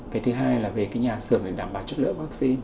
cái thứ hai là về nhà sửa để đảm bảo chất lượng vắc xin